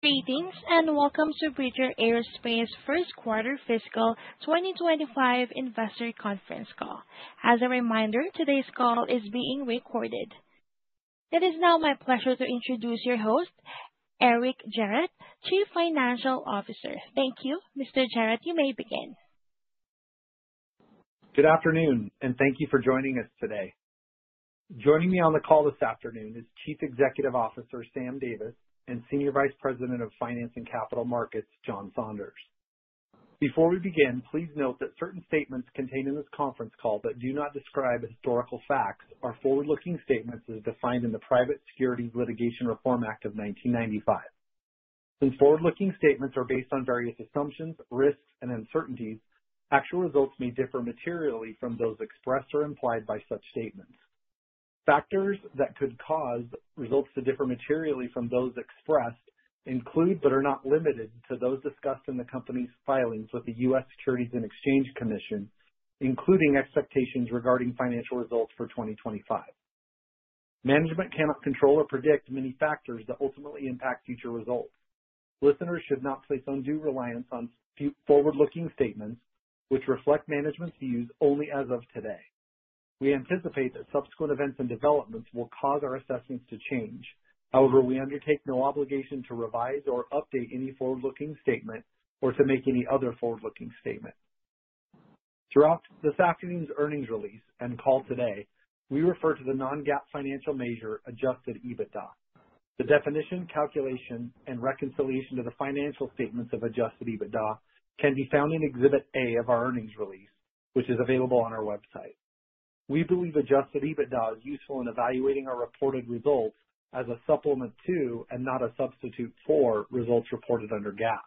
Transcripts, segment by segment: Greetings and welcome to Bridger Aerospace's first quarter fiscal 2025 investor conference call. As a reminder, today's call is being recorded. It is now my pleasure to introduce your host, Eric Gerratt, Chief Financial Officer. Thank you. Mr. Gerratt, you may begin. Good afternoon, and thank you for joining us today. Joining me on the call this afternoon is Chief Executive Officer Sam Davis and Senior Vice President of Finance and Capital Markets, John Founders. Before we begin, please note that certain statements contained in this conference call that do not describe historical facts are forward-looking statements as defined in the Private Securities Litigation Reform Act of 1995. Since forward-looking statements are based on various assumptions, risks, and uncertainties, actual results may differ materially from those expressed or implied by such statements. Factors that could cause results to differ materially from those expressed include, but are not limited to, those discussed in the company's filings with the U.S. Securities and Exchange Commission, including expectations regarding financial results for 2025. Management cannot control or predict many factors that ultimately impact future results. Listeners should not place undue reliance on forward-looking statements, which reflect management's views only as of today. We anticipate that subsequent events and developments will cause our assessments to change. However, we undertake no obligation to revise or update any forward-looking statement or to make any other forward-looking statement. Throughout this afternoon's earnings release and call today, we refer to the non-GAAP financial measure, adjusted EBITDA. The definition, calculation, and reconciliation to the financial statements of adjusted EBITDA can be found in Exhibit A of our earnings release, which is available on our website. We believe adjusted EBITDA is useful in evaluating our reported results as a supplement to and not a substitute for results reported under GAAP.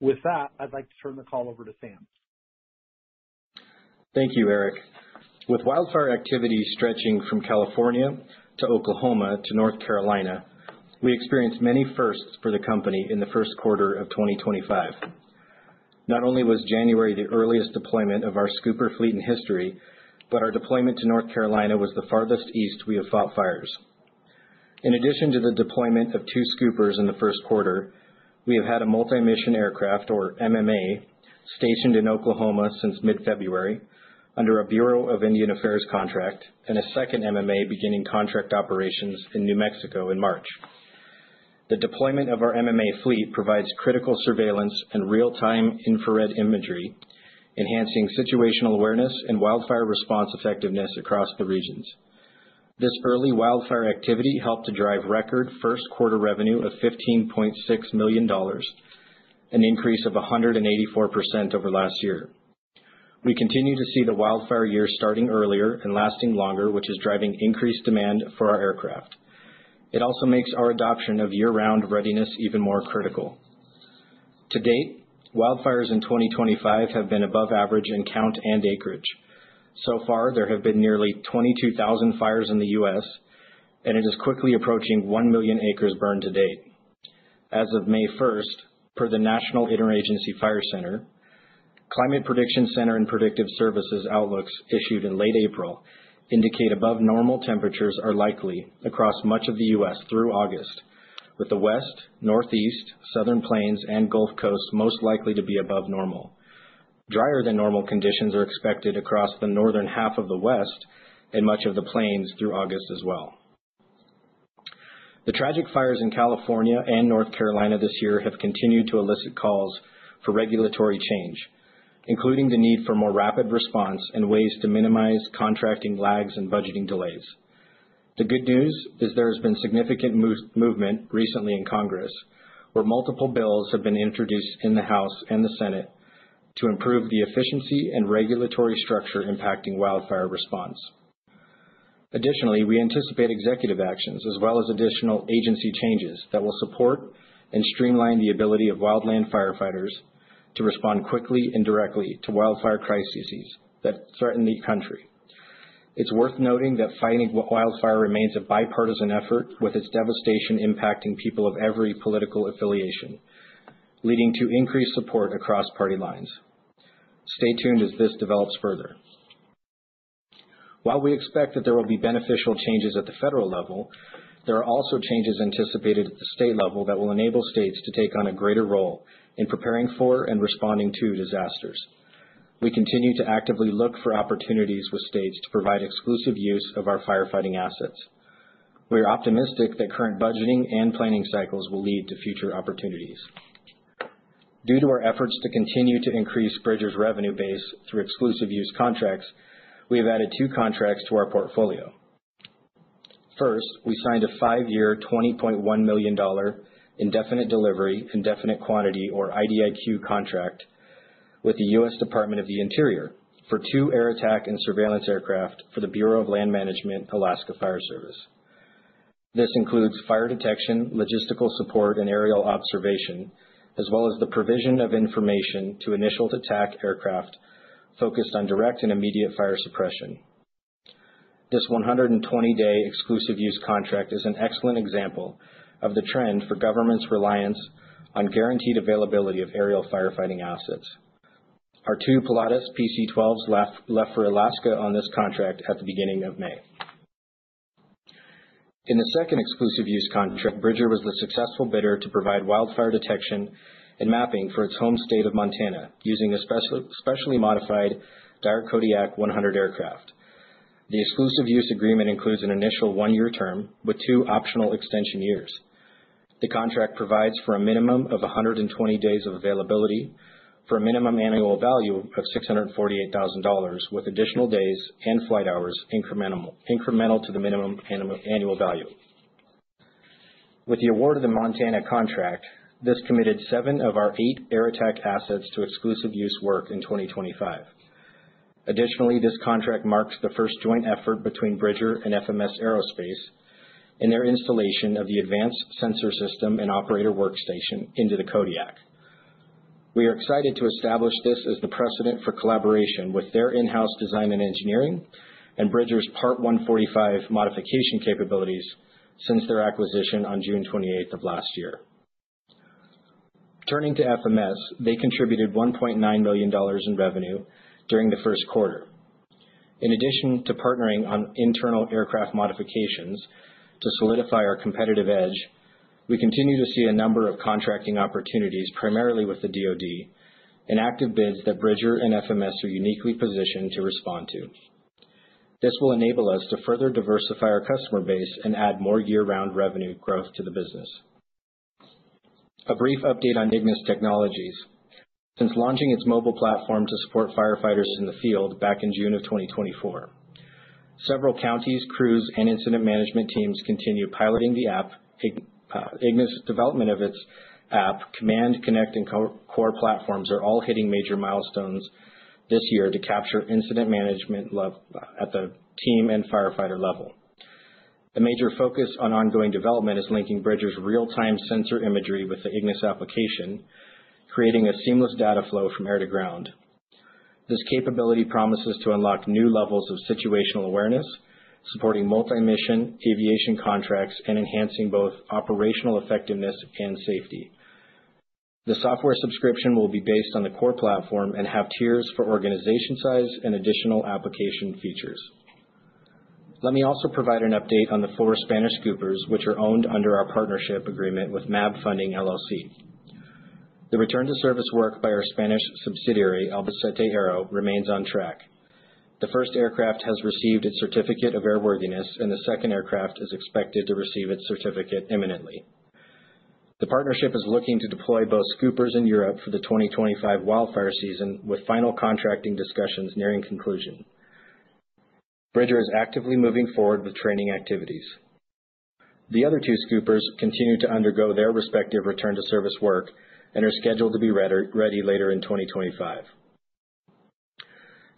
With that, I'd like to turn the call over to Sam. Thank you, Eric. With wildfire activity stretching from California to Oklahoma to North Carolina, we experienced many firsts for the company in the first quarter of 2025. Not only was January the earliest deployment of our scooper fleet in history, but our deployment to North Carolina was the farthest east we have fought fires. In addition to the deployment of two scoopers in the first quarter, we have had a multi-mission aircraft, or MMA, stationed in Oklahoma since mid-February under a Bureau of Indian Affairs contract and a second MMA beginning contract operations in New Mexico in March. The deployment of our MMA fleet provides critical surveillance and real-time infrared imagery, enhancing situational awareness and wildfire response effectiveness across the regions. This early wildfire activity helped to drive record first quarter revenue of $15.6 million, an increase of 184% over last year. We continue to see the wildfire year starting earlier and lasting longer, which is driving increased demand for our aircraft. It also makes our adoption of year-round readiness even more critical. To date, wildfires in 2025 have been above average in count and acreage. So far, there have been nearly 22,000 fires in the U.S., and it is quickly approaching 1 million acres burned to date. As of May 1st, per the National Interagency Fire Center, Climate Prediction Center and Predictive Services outlooks issued in late April indicate above-normal temperatures are likely across much of the U.S. through August, with the West, Northeast, Southern Plains, and Gulf Coast most likely to be above normal. Drier-than-normal conditions are expected across the northern half of the West and much of the Plains through August as well. The tragic fires in California and North Carolina this year have continued to elicit calls for regulatory change, including the need for more rapid response and ways to minimize contracting lags and budgeting delays. The good news is there has been significant movement recently in Congress, where multiple bills have been introduced in the House and the Senate to improve the efficiency and regulatory structure impacting wildfire response. Additionally, we anticipate executive actions as well as additional agency changes that will support and streamline the ability of wildland firefighters to respond quickly and directly to wildfire crises that threaten the country. It's worth noting that fighting wildfire remains a bipartisan effort, with its devastation impacting people of every political affiliation, leading to increased support across party lines. Stay tuned as this develops further. While we expect that there will be beneficial changes at the federal level, there are also changes anticipated at the state level that will enable states to take on a greater role in preparing for and responding to disasters. We continue to actively look for opportunities with states to provide exclusive use of our firefighting assets. We are optimistic that current budgeting and planning cycles will lead to future opportunities. Due to our efforts to continue to increase Bridger's revenue base through exclusive use contracts, we have added two contracts to our portfolio. First, we signed a five-year, $20.1 million indefinite delivery, indefinite quantity, or IDIQ contract with the U.S. Department of the Interior for two air attack and surveillance aircraft for the Bureau of Land Management, Alaska Fire Service. This includes fire detection, logistical support, and aerial observation, as well as the provision of information to initial attack aircraft focused on direct and immediate fire suppression. This 120-day exclusive use contract is an excellent example of the trend for governments' reliance on guaranteed availability of aerial firefighting assets. Our two Pilatus PC-12s left for Alaska on this contract at the beginning of May. In the second exclusive use contract, Bridger was the successful bidder to provide wildfire detection and mapping for its home state of Montana using a specially modified Daher Kodiak 100 aircraft. The exclusive use agreement includes an initial one-year term with two optional extension years. The contract provides for a minimum of 120 days of availability for a minimum annual value of $648,000, with additional days and flight hours incremental to the minimum annual value. With the award of the Montana contract, this committed seven of our eight air attack assets to exclusive use work in 2025. Additionally, this contract marks the first joint effort between Bridger and FMS Aerospace in their installation of the advanced sensor system and operator workstation into the Kodiak. We are excited to establish this as the precedent for collaboration with their in-house design and engineering and Bridger's Part 145 modification capabilities since their acquisition on June 28 of last year. Turning to FMS, they contributed $1.9 million in revenue during the first quarter. In addition to partnering on internal aircraft modifications to solidify our competitive edge, we continue to see a number of contracting opportunities, primarily with the DOD, and active bids that Bridger and FMS are uniquely positioned to respond to. This will enable us to further diversify our customer base and add more year-round revenue growth to the business. A brief update on Ignis Technologies. Since launching its mobile platform to support firefighters in the field back in June of 2024, several counties, crews, and incident management teams continue piloting the app. Ignis's development of its app, Command, Connect, and Core platforms are all hitting major milestones this year to capture incident management at the team and firefighter level. A major focus on ongoing development is linking Bridger's real-time sensor imagery with the Ignis application, creating a seamless data flow from air to ground. This capability promises to unlock new levels of situational awareness, supporting multi-mission aviation contracts and enhancing both operational effectiveness and safety. The software subscription will be based on the Core platform and have tiers for organization size and additional application features. Let me also provide an update on the four Spanish scoopers, which are owned under our partnership agreement with MAB Funding LLC. The return-to-service work by our Spanish subsidiary, Albacete Aero, remains on track. The first aircraft has received its certificate of airworthiness, and the second aircraft is expected to receive its certificate imminently. The partnership is looking to deploy both scoopers in Europe for the 2025 wildfire season, with final contracting discussions nearing conclusion. Bridger is actively moving forward with training activities. The other two scoopers continue to undergo their respective return-to-service work and are scheduled to be ready later in 2025.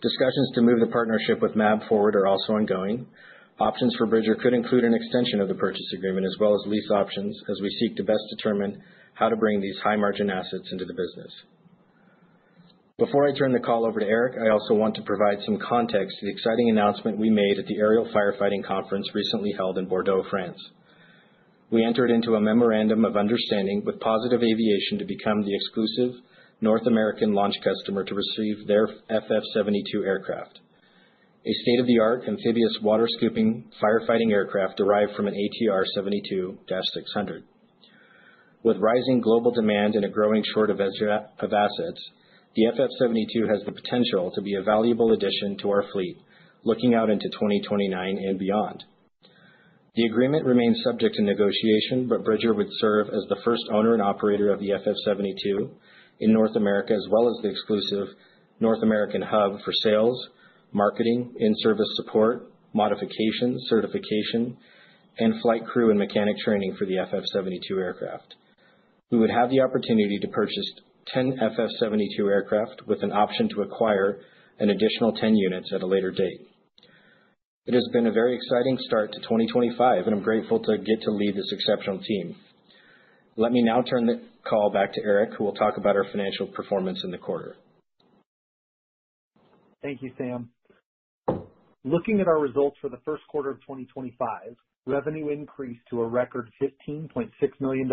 Discussions to move the partnership with MAB forward are also ongoing. Options for Bridger could include an extension of the purchase agreement as well as lease options, as we seek to best determine how to bring these high-margin assets into the business. Before I turn the call over to Eric, I also want to provide some context to the exciting announcement we made at the Aerial Firefighting Conference recently held in Bordeaux, France. We entered into a memorandum of understanding with Positive Aviation to become the exclusive North American launch customer to receive their FF72 aircraft, a state-of-the-art amphibious water scooping firefighting aircraft derived from an ATR 72-600. With rising global demand and a growing short of assets, the FF72 has the potential to be a valuable addition to our fleet, looking out into 2029 and beyond. The agreement remains subject to negotiation, but Bridger would serve as the first owner and operator of the FF72 in North America, as well as the exclusive North American hub for sales, marketing, in-service support, modification, certification, and flight crew and mechanic training for the FF72 aircraft. We would have the opportunity to purchase 10 FF72 aircraft with an option to acquire an additional 10 units at a later date. It has been a very exciting start to 2025, and I'm grateful to get to lead this exceptional team. Let me now turn the call back to Eric, who will talk about our financial performance in the quarter. Thank you, Sam. Looking at our results for the first quarter of 2025, revenue increased to a record $15.6 million,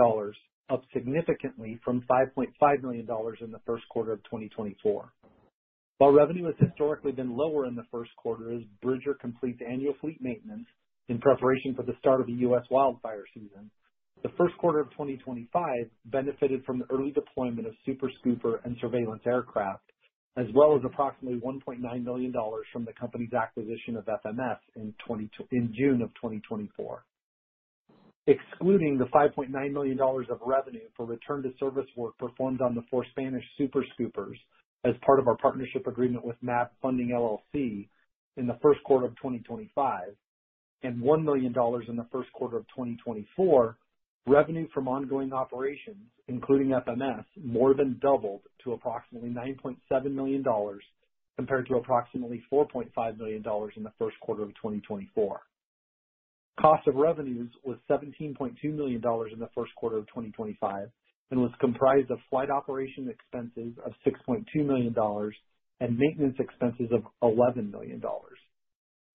up significantly from $5.5 million in the first quarter of 2024. While revenue has historically been lower in the first quarter as Bridger completes annual fleet maintenance in preparation for the start of the U.S. wildfire season, the first quarter of 2025 benefited from the early deployment of super scooper and surveillance aircraft, as well as approximately $1.9 million from the company's acquisition of FMS in June of 2024. Excluding the $5.9 million of revenue for return-to-service work performed on the four Spanish Super Scoopers as part of our partnership agreement with MAB Funding LLC in the first quarter of 2025 and $1 million in the first quarter of 2024, revenue from ongoing operations, including FMS, more than doubled to approximately $9.7 million compared to approximately $4.5 million in the first quarter of 2024. Cost of revenues was $17.2 million in the first quarter of 2025 and was comprised of flight operation expenses of $6.2 million and maintenance expenses of $11 million.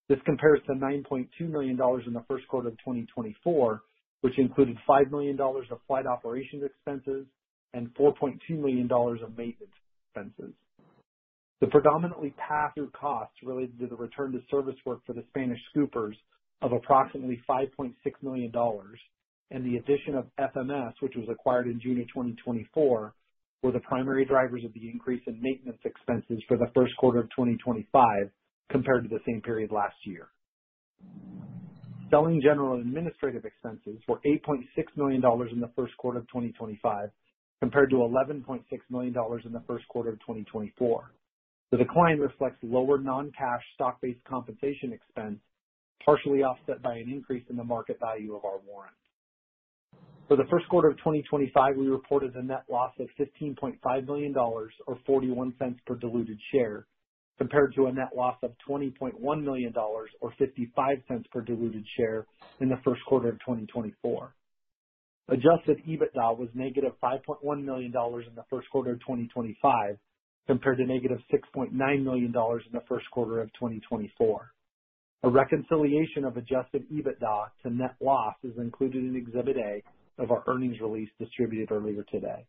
This compares to $9.2 million in the first quarter of 2024, which included $5 million of flight operations expenses and $4.2 million of maintenance expenses. The predominantly pass-through costs related to the return-to-service work for the Spanish scoopers of approximately $5.6 million and the addition of FMS, which was acquired in June of 2024, were the primary drivers of the increase in maintenance expenses for the first quarter of 2025 compared to the same period last year. Selling general administrative expenses were $8.6 million in the first quarter of 2025 compared to $11.6 million in the first quarter of 2024. The decline reflects lower non-cash stock-based compensation expense, partially offset by an increase in the market value of our warrant. For the first quarter of 2025, we reported a net loss of $15.5 million, or $0.41 per diluted share, compared to a net loss of $20.1 million, or $0.55 per diluted share in the first quarter of 2024. Adjusted EBITDA was negative $5.1 million in the first quarter of 2025 compared to negative $6.9 million in the first quarter of 2024. A reconciliation of adjusted EBITDA to net loss is included in Exhibit A of our earnings release distributed earlier today.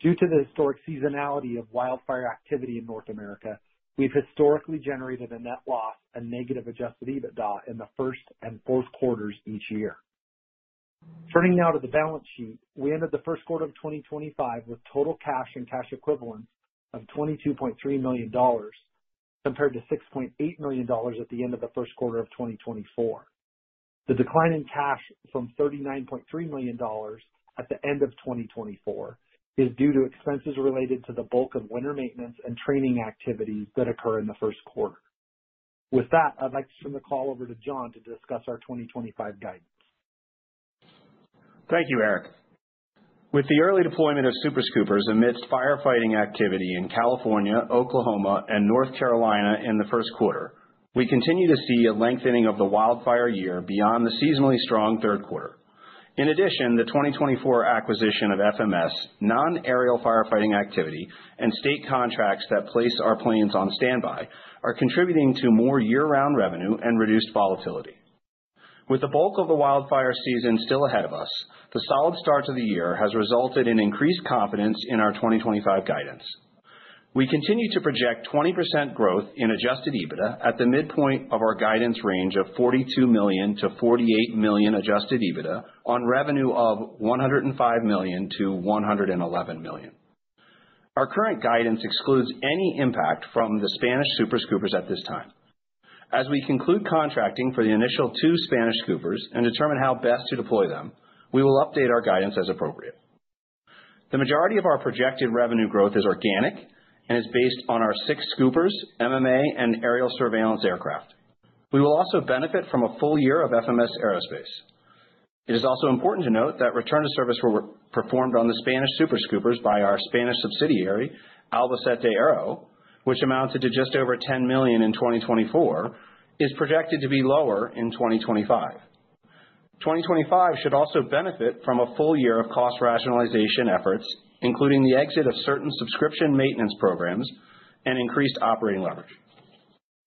Due to the historic seasonality of wildfire activity in North America, we've historically generated a net loss and negative adjusted EBITDA in the first and fourth quarters each year. Turning now to the balance sheet, we ended the first quarter of 2025 with total cash and cash equivalents of $22.3 million compared to $6.8 million at the end of the first quarter of 2024. The decline in cash from $39.3 million at the end of 2024 is due to expenses related to the bulk of winter maintenance and training activities that occur in the first quarter. With that, I'd like to turn the call over to John to discuss our 2025 guidance. Thank you, Eric. With the early deployment of super scoopers amidst firefighting activity in California, Oklahoma, and North Carolina in the first quarter, we continue to see a lengthening of the wildfire year beyond the seasonally strong third quarter. In addition, the 2024 acquisition of FMS, non-aerial firefighting activity, and state contracts that place our planes on standby are contributing to more year-round revenue and reduced volatility. With the bulk of the wildfire season still ahead of us, the solid start to the year has resulted in increased confidence in our 2025 guidance. We continue to project 20% growth in adjusted EBITDA at the midpoint of our guidance range of $42 million-$48 million adjusted EBITDA on revenue of $105 million-$111 million. Our current guidance excludes any impact from the Spanish super scoopers at this time. As we conclude contracting for the initial two Spanish scoopers and determine how best to deploy them, we will update our guidance as appropriate. The majority of our projected revenue growth is organic and is based on our six scoopers, MMA, and aerial surveillance aircraft. We will also benefit from a full year of FMS Aerospace. It is also important to note that return-to-service work performed on the Spanish super scoopers by our Spanish subsidiary, Albacete Aero, which amounted to just over $10 million in 2024, is projected to be lower in 2025. 2025 should also benefit from a full year of cost rationalization efforts, including the exit of certain subscription maintenance programs and increased operating leverage.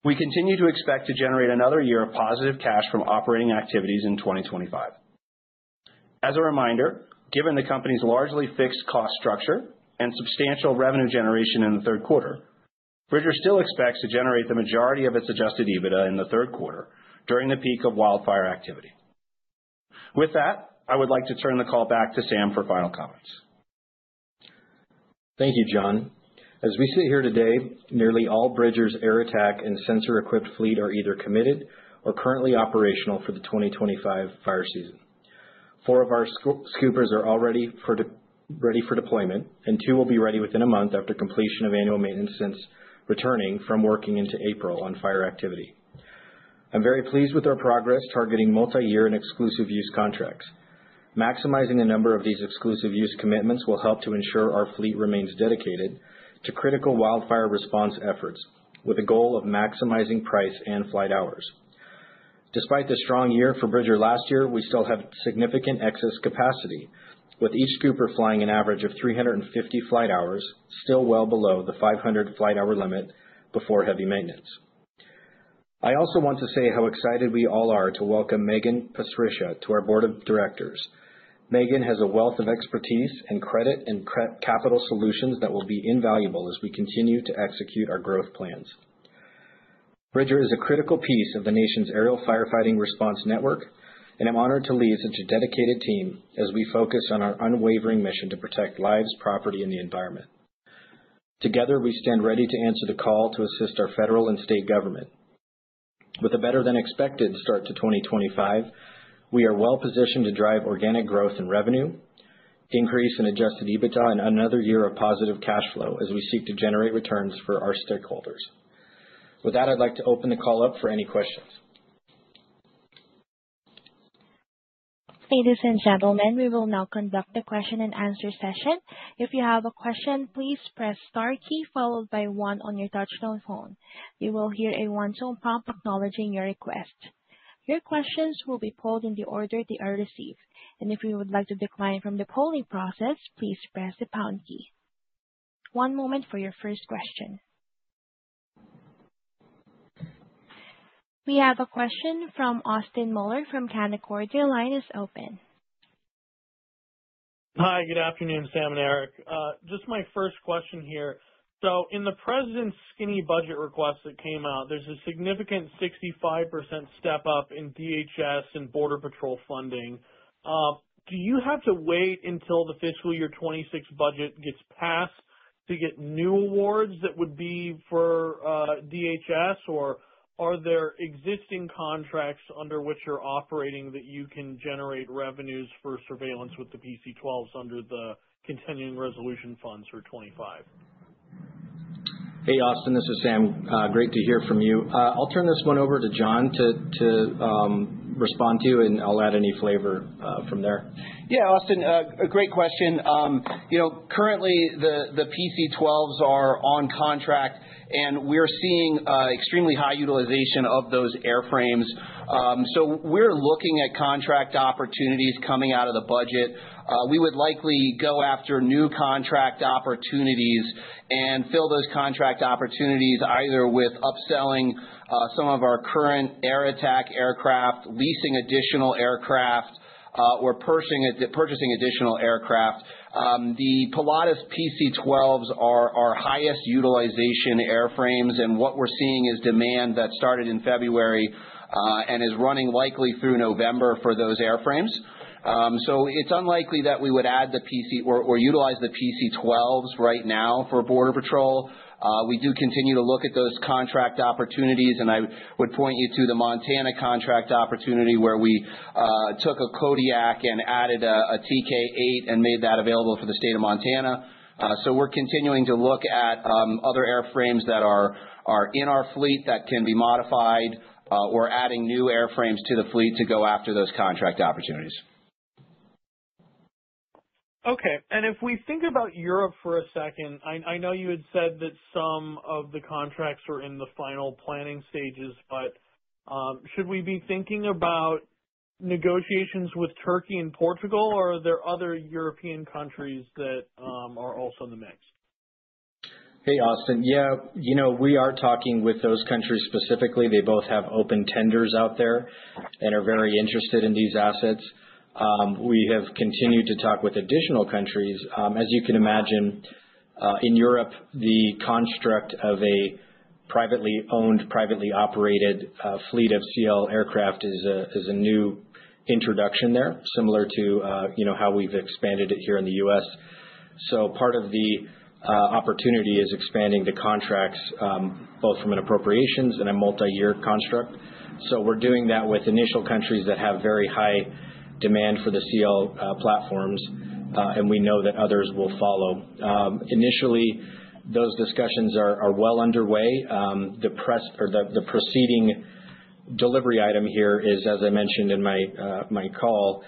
We continue to expect to generate another year of positive cash from operating activities in 2025. As a reminder, given the company's largely fixed cost structure and substantial revenue generation in the third quarter, Bridger still expects to generate the majority of its adjusted EBITDA in the third quarter during the peak of wildfire activity. With that, I would like to turn the call back to Sam for final comments. Thank you, John. As we sit here today, nearly all Bridger's air attack and sensor-equipped fleet are either committed or currently operational for the 2025 fire season. Four of our scoopers are already ready for deployment, and two will be ready within a month after completion of annual maintenance since returning from working into April on fire activity. I'm very pleased with our progress targeting multi-year and exclusive use contracts. Maximizing the number of these exclusive use commitments will help to ensure our fleet remains dedicated to critical wildfire response efforts with a goal of maximizing price and flight hours. Despite the strong year for Bridger last year, we still have significant excess capacity, with each scooper flying an average of 350 flight hours, still well below the 500 flight hour limit before heavy maintenance. I also want to say how excited we all are to welcome Megan Pastriscia to our board of directors. Megan has a wealth of expertise in credit and capital solutions that will be invaluable as we continue to execute our growth plans. Bridger is a critical piece of the nation's aerial firefighting response network, and I'm honored to lead such a dedicated team as we focus on our unwavering mission to protect lives, property, and the environment. Together, we stand ready to answer the call to assist our federal and state government. With a better-than-expected start to 2025, we are well-positioned to drive organic growth in revenue, increase in adjusted EBITDA, and another year of positive cash flow as we seek to generate returns for our stakeholders. With that, I'd like to open the call up for any questions. Ladies and gentlemen, we will now conduct a question-and-answer session. If you have a question, please press the star key followed by one on your touch-tone phone. You will hear a one-tone prompt acknowledging your request. Your questions will be polled in the order they are received. If you would like to decline from the polling process, please press the pound key. One moment for your first question. We have a question from Austin Moeller from Canaccord. Line is open. Hi, good afternoon, Sam and Eric. Just my first question here. In the president's skinny budget request that came out, there's a significant 65% step-up in DHS and Border Patrol funding. Do you have to wait until the fiscal year 2026 budget gets passed to get new awards that would be for DHS, or are there existing contracts under which you're operating that you can generate revenues for surveillance with the PC-12s under the Continuing Resolution Funds for 2025? Hey, Austin, this is Sam. Great to hear from you. I'll turn this one over to John to respond to, and I'll add any flavor from there. Yeah, Austin, a great question. Currently, the PC-12s are on contract, and we're seeing extremely high utilization of those airframes. We are looking at contract opportunities coming out of the budget. We would likely go after new contract opportunities and fill those contract opportunities either with upselling some of our current air attack aircraft, leasing additional aircraft, or purchasing additional aircraft. The Pilatus PC-12s are our highest utilization airframes, and what we're seeing is demand that started in February and is running likely through November for those airframes. It is unlikely that we would add the PC or utilize the PC-12s right now for Border Patrol. We do continue to look at those contract opportunities, and I would point you to the Montana contract opportunity where we took a Kodiak and added a TK-8 and made that available for the state of Montana. We're continuing to look at other airframes that are in our fleet that can be modified or adding new airframes to the fleet to go after those contract opportunities. Okay. If we think about Europe for a second, I know you had said that some of the contracts are in the final planning stages, but should we be thinking about negotiations with Turkey and Portugal, or are there other European countries that are also in the mix? Hey, Austin. Yeah, you know we are talking with those countries specifically. They both have open tenders out there and are very interested in these assets. We have continued to talk with additional countries. As you can imagine, in Europe, the construct of a privately owned, privately operated fleet of CL aircraft is a new introduction there, similar to how we've expanded it here in the U.S. Part of the opportunity is expanding the contracts both from an appropriations and a multi-year construct. We're doing that with initial countries that have very high demand for the CL platforms, and we know that others will follow. Initially, those discussions are well underway. The preceding delivery item here is, as I mentioned in my call,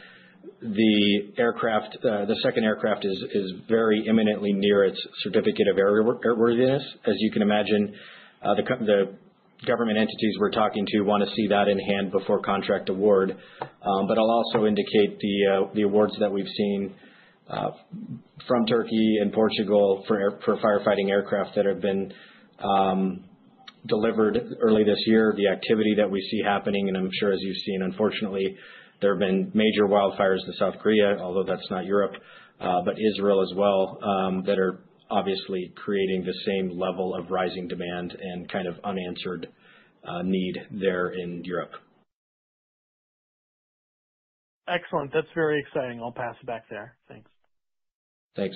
the second aircraft is very imminently near its certificate of airworthiness. As you can imagine, the government entities we're talking to want to see that in hand before contract award. I'll also indicate the awards that we've seen from Turkey and Portugal for firefighting aircraft that have been delivered early this year, the activity that we see happening. I'm sure, as you've seen, unfortunately, there have been major wildfires in South Korea, although that's not Europe, but Israel as well, that are obviously creating the same level of rising demand and kind of unanswered need there in Europe. Excellent. That's very exciting. I'll pass it back there. Thanks. Thanks.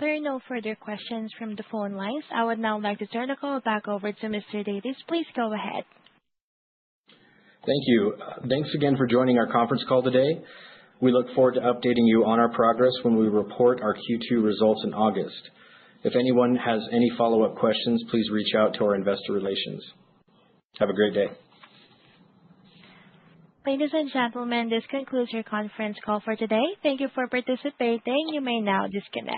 There are no further questions from the phone lines. I would now like to turn the call back over to Mr. Davis. Please go ahead. Thank you. Thanks again for joining our conference call today. We look forward to updating you on our progress when we report our Q2 results in August. If anyone has any follow-up questions, please reach out to our investor relations. Have a great day. Ladies and gentlemen, this concludes your conference call for today. Thank you for participating. You may now disconnect.